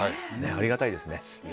ありがたいですね。